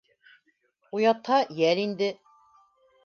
Уятһа, йәл инде.